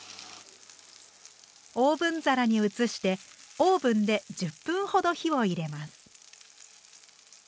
オーブン皿に移してオーブンで１０分ほど火を入れます。